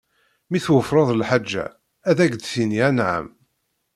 Mi tweffreḍ lḥaǧa, ad ak-d-tini anɛam.